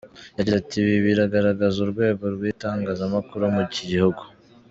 Yagize ati: “Ibi biragaragaza urwego rw’itangazamakuru muri iki gihugu.